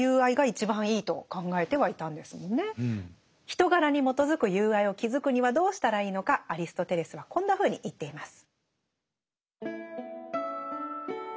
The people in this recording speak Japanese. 人柄に基づく友愛を築くにはどうしたらいいのかアリストテレスはこんなふうに言っています。